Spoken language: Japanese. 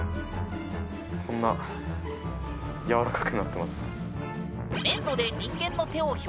こんな軟らかくなってます。